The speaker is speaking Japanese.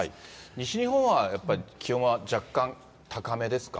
西日本はやっぱり気温は若干高めですか？